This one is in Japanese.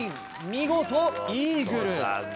見事、イーグル。